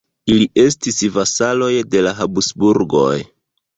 Ili estis vasaloj de la Habsburgoj.